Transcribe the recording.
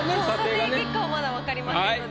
査定結果まだ分かりませんので。